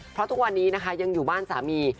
เพราะทุกวันนี้นะคะยังอยู่บ้านสามี